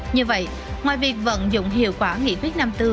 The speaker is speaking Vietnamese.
như vậy ngoài việc vận dụng hiệu quả nghị quyết năm tư